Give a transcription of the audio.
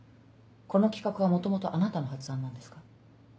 この企画は元々あなたの発案なんですか？